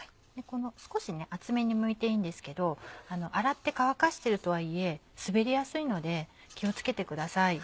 少し厚めにむいていいんですけど洗って乾かしてるとはいえ滑りやすいので気を付けてください。